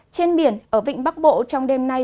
trên biển ở vịnh bắc bộ